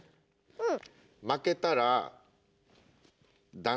うん。